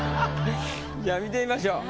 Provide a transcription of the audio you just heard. じゃあ見てみましょう。